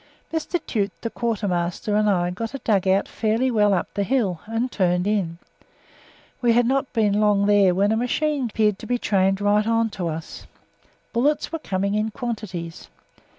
Mr. Tute, the Quartermaster, and I got a dug out fairly well up the hill, and turned in. We had not been long there when a machine gun appeared to be trained right on to us bullets were coming in quantities.